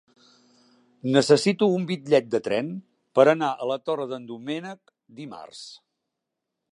Necessito un bitllet de tren per anar a la Torre d'en Doménec dimarts.